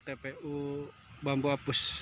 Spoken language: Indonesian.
tpu bambu abus